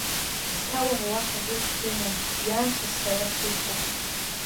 Ушьҭа уара, уаҳа ус умам, иаанхаз, сара сусоуп.